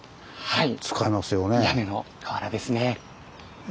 はい。